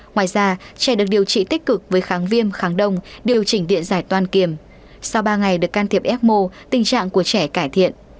ngoài ra trẻ được điều trị tích cực với kháng viêm kháng đông điều chỉnh điện giải toàn kiểm sau ba ngày được can thiệp ecmo tình trạng của trẻ cải thiện